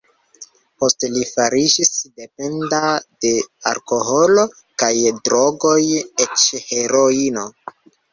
Poste li fariĝis dependa de alkoholo kaj drogoj, eĉ heroino.